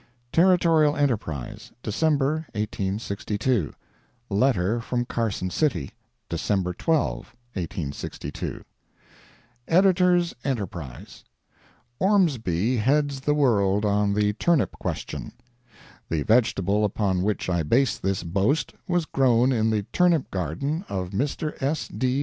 Territorial Enterprise, December 1862 LETTER FROM CARSON CITY December 12, 1862 EDITORS ENTERPRISE: Ormsby heads the world on the turnip question. The vegetable upon which I base this boast, was grown in the turnip garden of Mr. S. D.